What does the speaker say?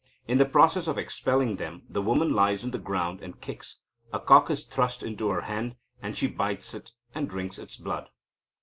In the process of expelling them, the woman lies on the ground and kicks. A cock is thrust into her hand, and she bites it, and drinks its blood.